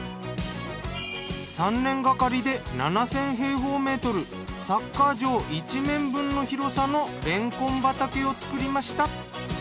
３年がかりで７，０００平方メートルサッカー場１面分の広さのれんこん畑を作りました。